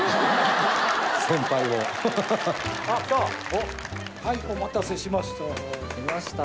お待たせしました。